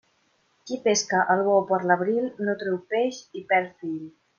Qui pesca el bou per l'abril, no treu peix i perd fil.